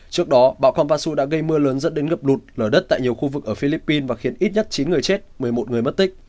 trước đó bão kampasu đã gây mưa lớn dẫn đến ngập lụt lở đất tại nhiều khu vực ở philippines và khiến ít nhất chín người chết một mươi một người mất tích